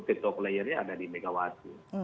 key to player nya ada di megawati